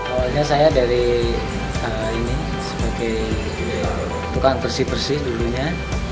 awalnya saya dari ini sebagai tukang persih persih dulunya